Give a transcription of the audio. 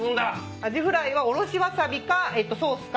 アジフライはおろしわさびかソースか。